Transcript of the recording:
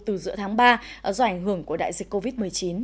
từ giữa tháng ba do ảnh hưởng của đại dịch covid một mươi chín